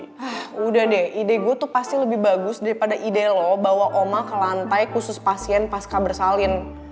hah udah deh ide gue tuh pasti lebih bagus daripada ide lo bawa oma ke lantai khusus pasien pas kabar salin